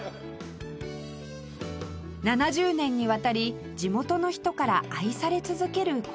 ７０年にわたり地元の人から愛され続けるこちら